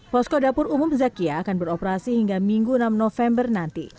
posko dapur umum zakia akan beroperasi hingga minggu enam november nanti